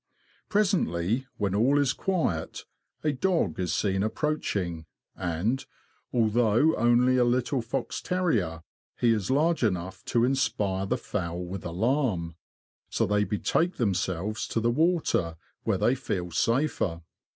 Pre sently, when all is quiet, a dog is seen approaching, and, although only a little fox terrier, he is large enough to inspire the fowl with alarm ; so they betake themselves to the water, where they feel safer.